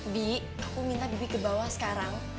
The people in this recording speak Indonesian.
bi aku minta bibi ke bawah sekarang